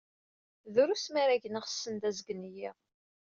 Drus mi ara gneɣ send azgen-iḍ.